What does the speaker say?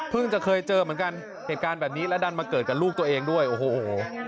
จะเคยเจอเหมือนกันเหตุการณ์แบบนี้และดันมาเกิดกับลูกตัวเองด้วยโอ้โห